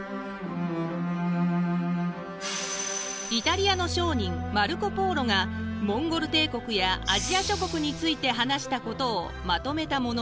イタリアの商人マルコ＝ポーロがモンゴル帝国やアジア諸国について話したことをまとめたものです。